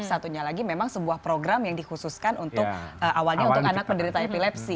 satunya lagi memang sebuah program yang dikhususkan untuk awalnya untuk anak penderita epilepsi